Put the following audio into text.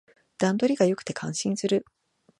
段取りが良くて感心する